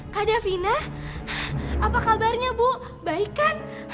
kak davina apa kabarnya bu baik kan